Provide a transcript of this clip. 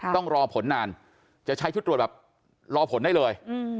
ต้องรอผลนานจะใช้ชุดตรวจแบบรอผลได้เลย